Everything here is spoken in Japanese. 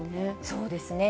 そうですね。